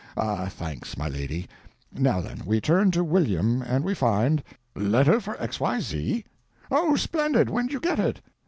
Ah, thanks, my lady. Now then, we turn to William, and we find—letter for XYZ? Oh, splendid—when'd you get it?"